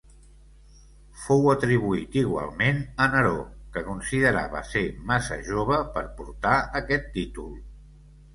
Fou atribuït igualment a Neró que considerava ser massa jove per portar aquest títol.